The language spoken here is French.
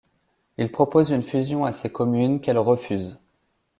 Il propose une fusion à ces communes qu'elles refusent.